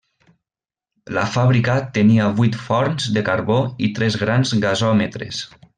La fàbrica tenia vuit forns de carbó i tres grans gasòmetres.